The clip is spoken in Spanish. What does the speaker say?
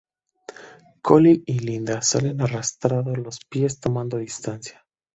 Colin y Linda salen arrastrando los pies tomando distancia.